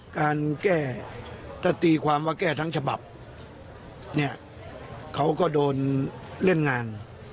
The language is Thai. การแก้ถ้าตีความว่าแก้ทั้งฉบับเนี่ยเขาก็โดนเล่นงาน